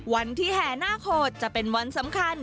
วันที่แห่นากโหดจะเป็นวันสำคัญ